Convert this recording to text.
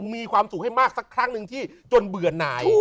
มีความสุขให้มากสักครั้งหนึ่งที่จนเบื่อหน่าย